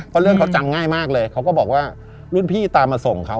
เพราะเรื่องเขาจำง่ายมากเลยเขาก็บอกว่ารุ่นพี่ตามมาส่งเขา